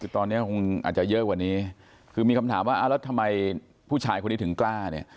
คือตอนนี้คงอาจจะเยอะกว่านี้คือมีคำถามว่าแล้วทำไมผู้ชายคนนี้ถึงกล้าเนี่ย